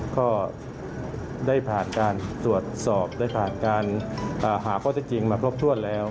ก็ได้ผ่านการตรวจสอบได้ผ่านการหาข้อเท็จจริงมาครบถ้วนแล้ว